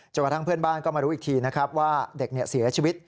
จนกว่าทางเพื่อนบ้านก็มารู้อีกทีว่าเด็กเสียชีวิต